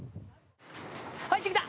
入ってきた！